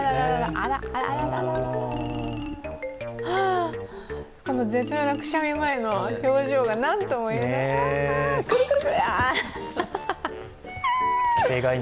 あらら、絶妙なくしゃみ前の表情がなんともいえない。